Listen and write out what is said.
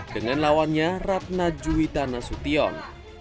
dengan lawannya ratna juhitana sution